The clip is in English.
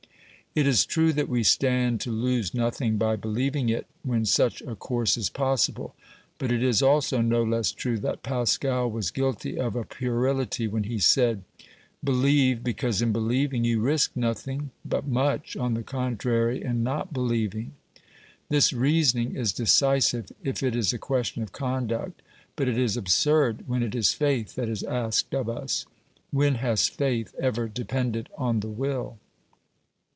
It is true that we stand to lose nothing by believing it when such a course is possible, but it is also no less true that Pascal was guilty of a puerility when he said :" Be lieve, because in believing you risk nothing, but much, on the contrary, in not believing." This reasoning is decisive if it is a question of conduct, but it is absurd when it is faith that is asked of us. When has faith ever depended on the will